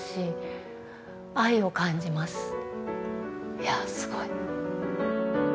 いやすごい。